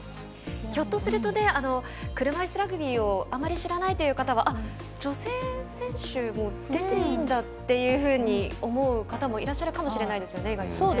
ひょっとすると車いすラグビーをあまり知らないという方は女性選手も出ていいんだっていうふうに思う方もいらっしゃるかもしれないですよね。